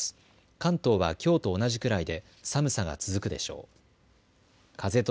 関東はきょうと同じくらいで寒さが続くでしょう。